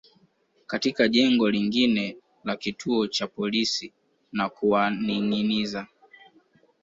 katika jengo lingine la kituo cha polisi na kuwaningâiniza